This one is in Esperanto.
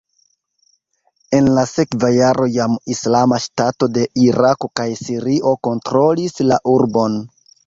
En la sekva jaro jam Islama Ŝtato de Irako kaj Sirio kontrolis la urbon.